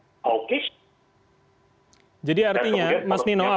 jadi artinya mas nino apakah kemudian negara negara lain juga bisa berpengaruh dengan isu isu domestik